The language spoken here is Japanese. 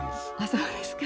そうですか。